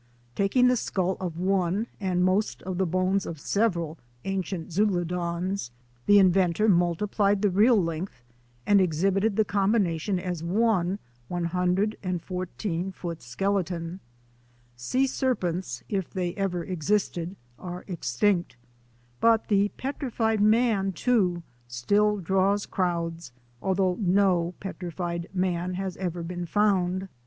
Taking the skull of one and most of the bones of several ancient Zeuglodons, the in ventor multiplied the real length and exhibited the combination as one 114 foot skeleton. Sea ser CENSORED NATURAL HISTORY NEWS 221 pents, if they ever existed, are extinct; but the "Petrified Man," too, still draws crowds although no petrified man has ever been discovered.